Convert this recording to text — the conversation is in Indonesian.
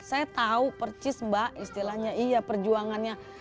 saya tahu percis mbak istilahnya iya perjuangannya